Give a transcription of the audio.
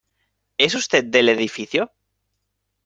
¿ es usted del edificio?